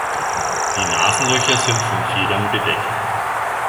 Die Nasenlöcher sind von Federn bedeckt.